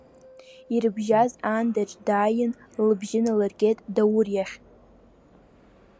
Ирыбжьаз аандаҿ дааин, лыбжьы налыргеит Даур иахь.